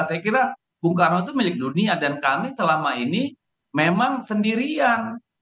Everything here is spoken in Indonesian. saya kira bung karno itu milik dunia dan kami selama ini memang sendirian